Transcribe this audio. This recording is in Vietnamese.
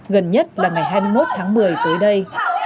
gần nhất là ngày hai mươi một tháng một mươi tới đây